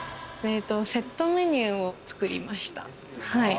セットメニューを作りました。